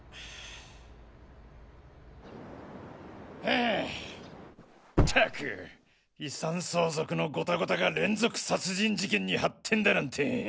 はぁったく遺産相続のごたごたが連続殺人事件に発展だなんて。